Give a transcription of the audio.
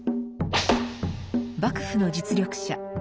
幕府の実力者